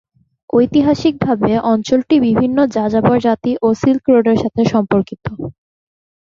ঐতিহাসিকভাবে অঞ্চলটি বিভিন্ন যাযাবর জাতি ও সিল্ক রোডের সাথে সম্পর্কিত।